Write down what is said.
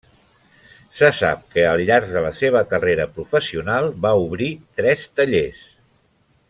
Se sap que al llarg de la seva carrera professional va obrir tres tallers.